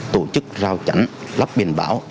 tổ chức rào chắn lắp biển báo